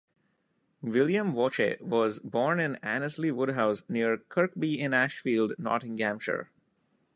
William Voce was born in Annesley Woodhouse, near Kirkby-in-Ashfield, Nottinghamshire.